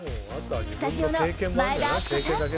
スタジオの前田敦子さん